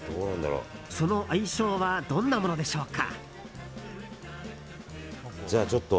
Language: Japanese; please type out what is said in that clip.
その相性はどんなものでしょうか。